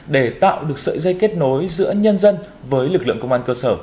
để tạo được sợi dây kết nối giữa nhân dân và công an